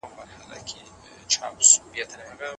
کومې تجربې د کلتوري انډول پراختیا ته لاره هواروي؟